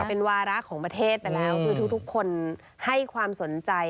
เป็นวาระของประเทศไปแล้วคือทุกคนให้ความสนใจ